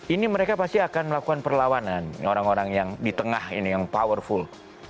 ini mereka pasti akan melakukan perlawanan orang orang yang di tengah ini yang powerful